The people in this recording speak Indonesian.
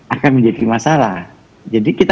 akan menjadi masalah jadi kita